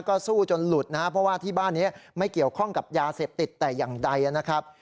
ก็สู้จนหลุดนะครับเพราะว่าที่บ้านนี้ไม่เกี่ยวข้องกับยาเสพติดแต่อย่างใดนะครับ